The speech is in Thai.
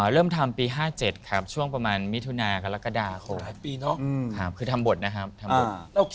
เริ่มทำปี๕๗ครับช่วงประมาณมิถุนากค